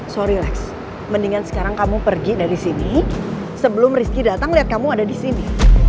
sorry lex mendingan sekarang kamu pergi dari sini sebelum rizky datang lihat kamu ada di sini